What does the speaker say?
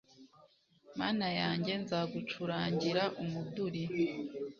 mana yanjye, nzagucurangira umuduri